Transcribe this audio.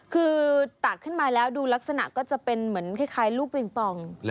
คือตักขึ้นมาแล้วดูลักษณะก็จะเป็นเหมือนคล้ายลูกปิงปอง